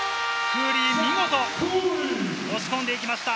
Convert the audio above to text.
クーリー、お見事、押し込んでいきました。